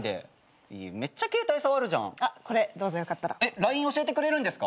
ＬＩＮＥ教えてくれるんですか？